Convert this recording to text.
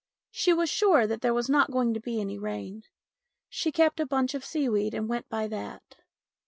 She was sure that there was not going to be any rain. She kept a bunch of seaweed and went by that.